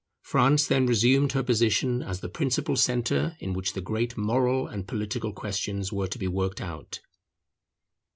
France then resumed her position as the principal centre in which the great moral and political questions were to be worked out.